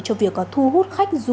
cho việc có thu hút khách dân